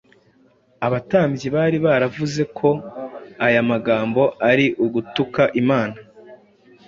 Abatambyi bari baravuze ko aya magambo ari ugutuka Imana,